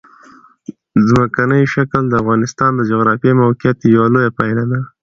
ځمکنی شکل د افغانستان د جغرافیایي موقیعت یوه لویه پایله ده.